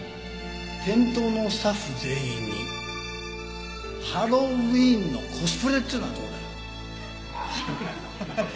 店頭のスタッフ全員にハロウィーンのコスプレっていうのはどうだ？ハハハ。